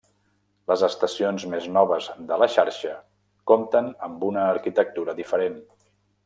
Les estacions més noves de la xarxa compten amb una arquitectura diferent.